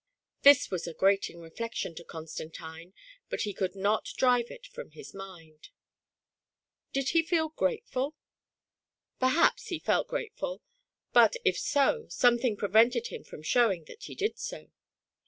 This was a grating 142 THE PRISONER IN DARKNESS. reflection to Constantine, but he could not drive it from his mind Did he feel grateftd ? Perhaps he felt gratefrd; but if so, something prevented him from showing that he did so.